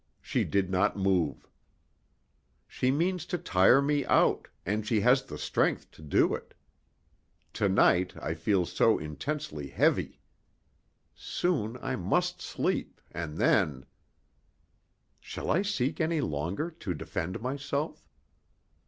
She did not move. She means to tire me out, and she has the strength to do it. To night I feel so intensely heavy. Soon I must sleep, and then Shall I seek any longer to defend myself?